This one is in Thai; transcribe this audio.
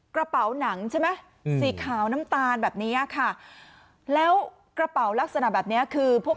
กระเป๋าหนังใช่ไหมสีขาวน้ำตาลแบบเนี้ยค่ะแล้วกระเป๋าลักษณะแบบเนี้ยคือพวก